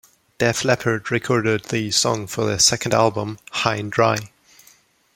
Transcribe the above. Def Leppard recorded the song for their second album, "High 'n' Dry".